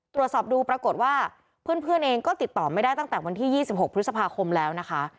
ตรวจสอบดูปรากฏว่าเพื่อนเองก็ติดต่อไม่ได้ตั้งแต่วันที่๒๖พฤษภาคมแล้วนะคะ